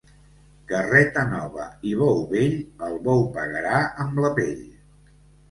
Carreta nova i bou vell, el bou pagarà amb la pell.